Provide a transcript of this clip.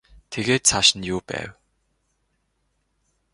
Тэгээд цааш нь юу байв?